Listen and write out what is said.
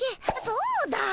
そうだ！